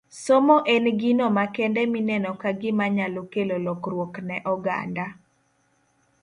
Somo en gino makende mineno ka gima nyalo kelo lokruok ne oganda